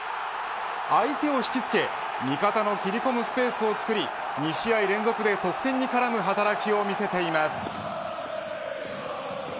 相手を引きつけ味方の蹴り込むスペースをつくり２試合連続で得点に絡む働きを見せています。